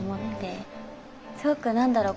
すごく何だろう